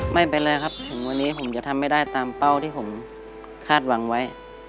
ไม่เป็นไรครับถึงวันนี้ผมจะทำไม่ได้ตามเป้าที่ผมคาดหวังไว้